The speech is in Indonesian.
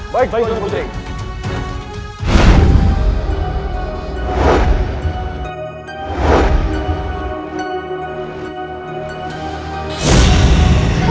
baik tuan putri